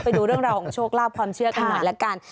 ไปดูเรื่องราวของโชคลาภความเชื่อกันหน่อยละกัน